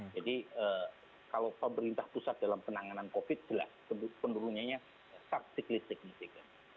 jadi kalau pemerintah pusat dalam penanganan covid jelas penurunannya signifikan